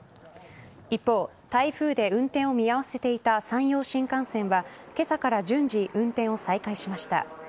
一方、台風で運転を見合わせていた山陽新幹線は今朝から順次運転を再開しました。